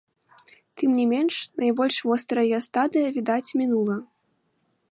Тым не менш найбольш вострая яе стадыя, відаць, мінула.